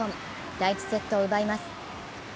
第１セットを奪います。